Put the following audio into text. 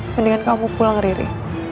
mendingan kamu pulang riri